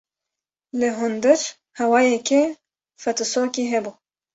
Li hundir hewayeke fetisokî hebû.